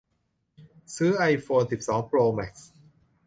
ซื้อไอโฟนสิบสองโปรแม็กซ์